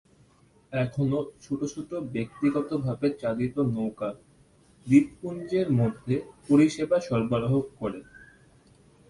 এখনও ছোট ছোট ব্যক্তিগতভাবে চালিত নৌকা দ্বীপপুঞ্জের মধ্যে পরিষেবা সরবরাহ করে।